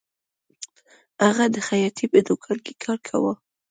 هغه د خیاطۍ په دکان کې کار کاوه